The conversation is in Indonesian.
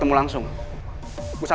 terima kasih gak ada